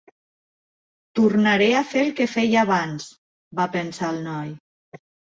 "Tornaré a fer el que feia abans", va pensar el noi.